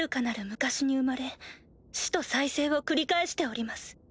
昔に生まれ死と再生を繰り返しております。